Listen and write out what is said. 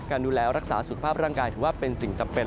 ดูแลรักษาสุขภาพร่างกายถือว่าเป็นสิ่งจำเป็น